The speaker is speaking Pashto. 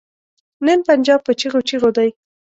نن پنجاب په چيغو چيغو دی.